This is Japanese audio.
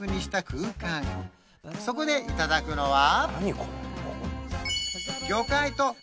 そこでいただくのは？